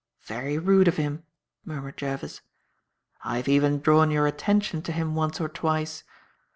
"Very rude of him," murmured Jervis. "I have even drawn your attention to him once or twice.